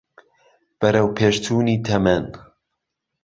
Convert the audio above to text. بهرهوپێشچوونی تهمهن